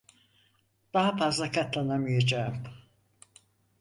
Daha fazla katlanamayacağım.